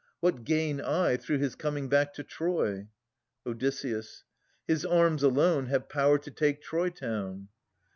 What gain I through his coming back to Troy ? Od. His arms alone have power to take Troy town.